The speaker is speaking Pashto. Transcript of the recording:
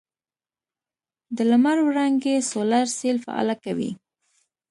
د لمر وړانګې سولر سیل فعاله کوي.